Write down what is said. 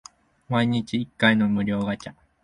毎日一回の無料ガチャ